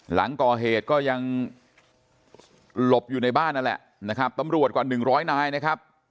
หลังก่อเหตุก็ยังหลบอยู่ในบ้านนั่นแหละนะครับตำรวจกว่าหนึ่งร้อยนายนะครับ